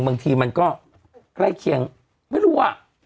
บางทีมันก็ใกล้เคียงไม่รู้อ่ะ